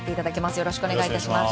よろしくお願いします。